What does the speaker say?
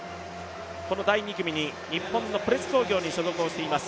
この第２組に日本のプレス工業に所属しています